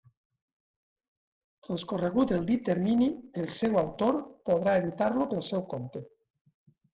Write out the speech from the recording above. Transcorregut el dit termini, el seu autor podrà editar-lo pel seu compte.